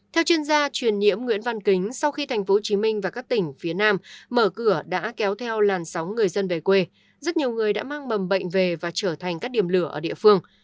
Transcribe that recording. theo chuyên gia truyền nhiễm nguyễn văn kính sau khi thành phố hồ chí minh và các tỉnh phía nam mở cửa đã kéo theo làn sóng người dân về quê rất nhiều người đã mang bầm bệnh về và trở thành các điểm lửa ở địa phương